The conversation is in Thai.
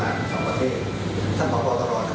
ของทั้งสายทหารสำหรับเรา